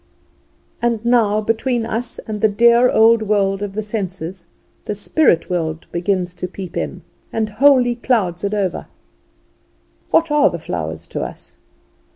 And now between us and the dear old world of the senses the spirit world begins to peep in, and wholly clouds it over. What are the flowers to us?